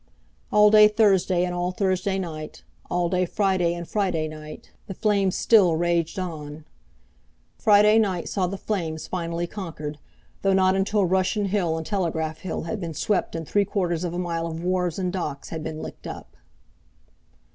All day Thursday and all Thursday night, all day Friday and Friday night, the flames still raged on. Friday night saw the flames finally conquered. through not until Russian Hill and Telegraph Hill had been swept and three quarters of a mile of wharves and docks had been licked up.